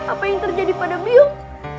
apa yang terjadi pada biongkoh